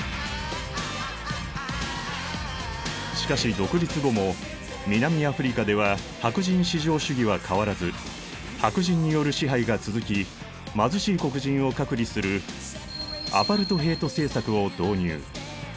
しかし独立後も南アフリカでは白人至上主義は変わらず白人による支配が続き貧しい黒人を隔離するアパルトヘイト政策を導入。